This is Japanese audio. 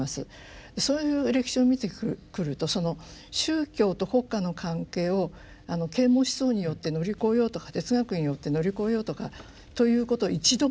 そういう歴史を見てくるとその宗教と国家の関係を啓蒙思想によって乗り越えようとか哲学によって乗り越えようとかということを一度もやってないんです。